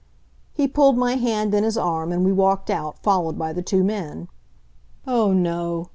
He pulled my hand in his arm and we walked out, followed by the two men. Oh, no!